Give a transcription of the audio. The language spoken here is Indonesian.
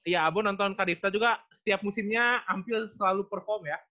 ya abu nonton kak devta juga setiap musimnya ampil selalu perform ya